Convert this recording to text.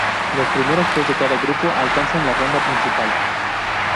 Los primeros tres de cada grupo alcanzan la ronda principal.